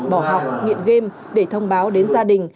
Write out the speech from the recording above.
bỏ học nghiện game để thông báo đến gia đình